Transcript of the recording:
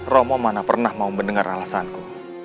romo mana pernah mau mendengar alasanku